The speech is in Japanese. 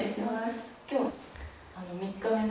今日３日目の。